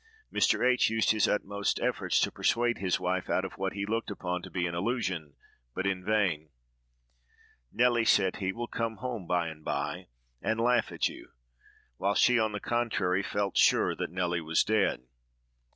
Mr. H—— used his utmost efforts to persuade his wife out of what he looked upon to be an illusion; but in vain. "Nelly," said he, "will come home by and by and laugh at you;" while she, on the contrary, felt sure that Nelly was dead.